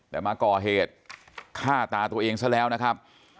แต่มาก่อเหตุฆ่าตาตัวเองซะแล้วนะครับ